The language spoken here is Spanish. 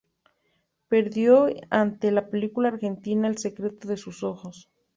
Perdió ante la película argentina "El secreto de sus ojos".